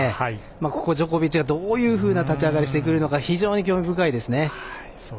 ここ、ジョコビッチがどういうふうな立ち上がりをしてくるのか非常に興味深いですね。